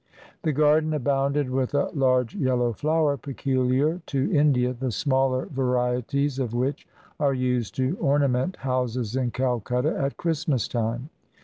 The garden abounded with a large yellow flower, peculiar to India, the smaller varieties of which are used to ornament houses in Calcutta at Christmas time.